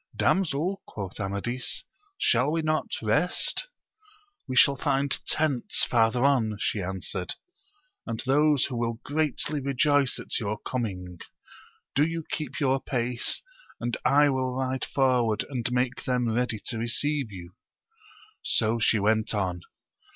Damsel, quoth Amadis, shall we not rest ? We shall find tent» farth^ on, she answered, and those who will greatly rejoice at your coming ; do you keep your pace, and I will ride forward and make them ready to receive you. So she went on.